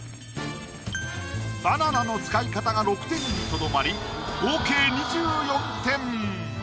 バナナの使い方が６点にとどまり合計２４点。